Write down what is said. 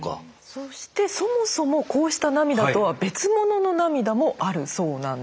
そしてそもそもこうした涙とは別物の涙もあるそうなんです。